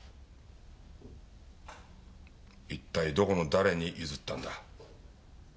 いったいどこの誰に譲ったんだ？